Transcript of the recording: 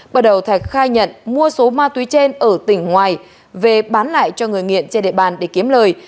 bắt đầu thạch khai nhận mua số ma túy trên ở tỉnh ngoài về bán lại cho người nghiện trên địa bàn để kiếm lời